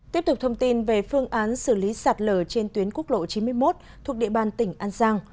tiếp tục thông tin về phương án xử lý sạt lở trên tuyến quốc lộ chín mươi một thuộc địa bàn tỉnh an giang